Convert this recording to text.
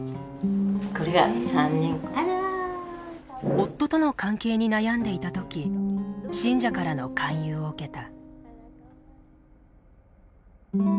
夫との関係に悩んでいた時信者からの勧誘を受けた。